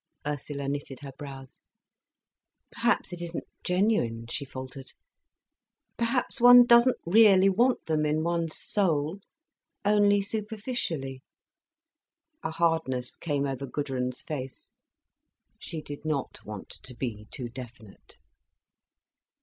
Ursula knitted her brows. "Perhaps it isn't genuine," she faltered. "Perhaps one doesn't really want them, in one's soul—only superficially." A hardness came over Gudrun's face. She did not want to be too definite.